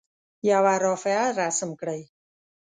یوه رافعه رسم کړئ.